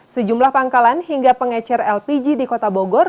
sejumlah pangkalan hingga pengecer lpg di kota bogor